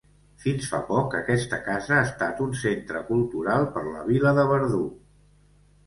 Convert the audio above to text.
Fins fa poc aquesta casa ha estat un centre cultural per la vila de Verdú.